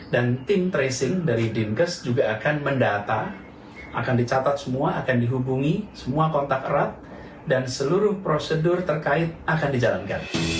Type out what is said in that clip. dan tim tracing dari dimkes juga akan mendata akan dicatat semua akan dihubungi semua kontak erat dan seluruh prosedur terkait akan dijalankan